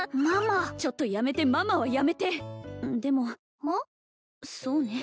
ちょっとやめてママはやめてでもそうね